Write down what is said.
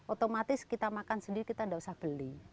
otomatis kita makan sendiri kita tidak usah beli